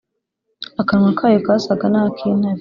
akanwa kayo kasaga n’ak’intare.